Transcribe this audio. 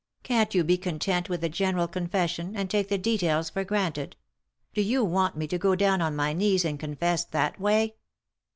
Can't you be content with the general con fession and take the details for granted ? Do you want me to go down on my knees and confess that way